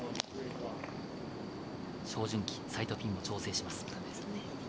照準器、サイトピンを調整します。